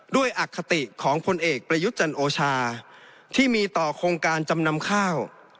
อคติของพลเอกประยุทธ์จันโอชาที่มีต่อโครงการจำนำข้าว